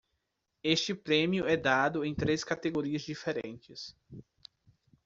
Este prêmio é dado em três categorias diferentes.